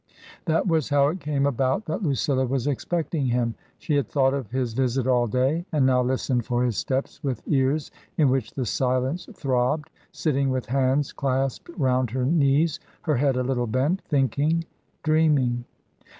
That was how it came about that Lucilla was expecting him. She had thought of his visit all day, and now listened for his steps with ears in which the silence throbbed, sitting with hands clasped round her knees, her head a little bent, thinking — dreaming.